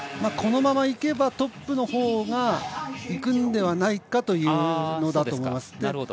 このままいけばトップの方がいくのではないかというのだと思います。